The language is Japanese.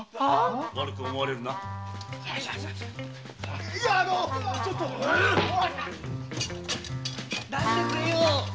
悪く思われるな。出してくれよ！